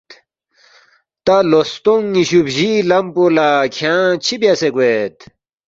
تا لو ستونگ ن٘یشُو بجِی لم پو لہ کھیانگ چِہ بیاسے گوید؟“